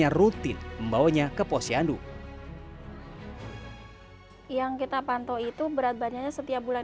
yang tidak used tobs